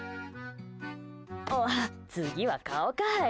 うわ、次は顔かい！